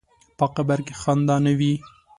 په قبر کې خندا نه وي.